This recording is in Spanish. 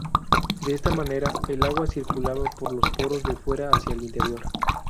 De esta manera, el agua circulaba por los poros de fuera hacia el interior.